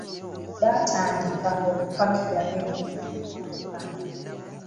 Baatandika okupakira ebintu ku mmotoka.